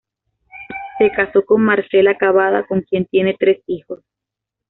Se casó con Marcela Cabada, con quien tiene tres hijos.